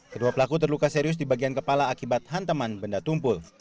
kedua pelaku terluka serius di bagian kepala akibat hantaman benda tumpul